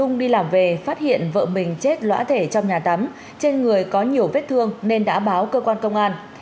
ông đi làm về phát hiện vợ mình chết lõa thể trong nhà tắm trên người có nhiều vết thương nên đã báo cơ quan công an